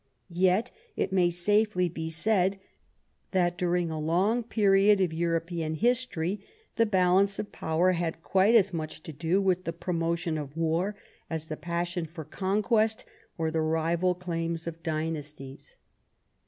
Yet it may safely be said that during a long period of European history the balance of power had quite as much to do with the promotion of war as the passion for conquest or the rival claims of dynasties.